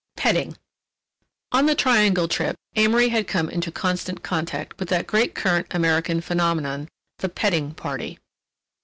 "PETTING" On the Triangle trip Amory had come into constant contact with that great current American phenomenon, the "petting party."